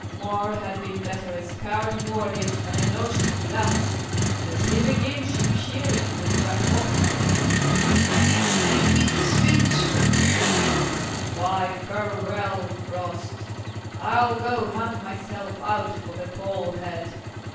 More had been better a scoured Moreditch than a notched me thus: does he begin sheepshearing with Jack Faulkner? MORRIS. Nay, and you feed this vein, sir, fare you well. FAULKNER. Why, farewell, frost. I'll go hang myself out for the Poll Head.